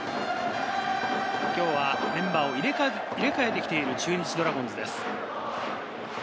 今日はメンバーを入れ替えて来ている中日ドラゴンズです。